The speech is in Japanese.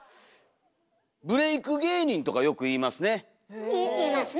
「ブレイク芸人」とかよく言いますね！